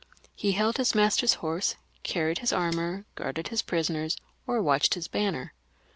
He held his master's horse, carried his armour, guarded his prisoners, or watched his banner.